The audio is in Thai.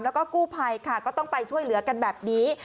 แล้วก็กู้ภัยค่ะก็ต้องไปช่วยเหลือกันแบบนี้